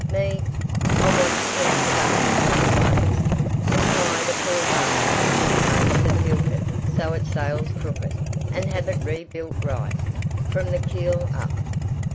Me, I want to yank it up on the ways, and fire the poor bum of a shoemaker that built it so it sails crooked, and have it rebuilt right, from the keel up."